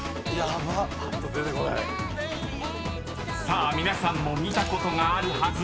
［さあ皆さんも見たことがあるはず］